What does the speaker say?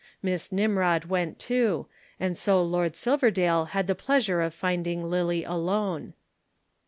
Miss Nimrod went, too, and so Lord Silverdale had the pleasure of finding Lillie alone.